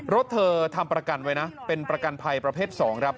รถเธอทำประกันไว้นะเป็นประกันภัยประเภท๒ครับ